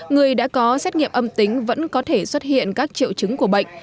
người đã có xét nghiệm âm tính vẫn có thể xuất hiện các triệu chứng của bệnh